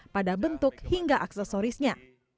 pada bentuk hingga aksesorisnya